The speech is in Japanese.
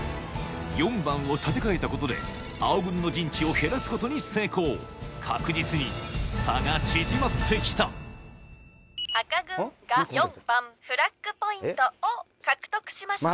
４番を立て替えたことで青軍の陣地を減らすことに成功確実に差が縮まって来た赤軍が４番フラッグポイントを獲得しました。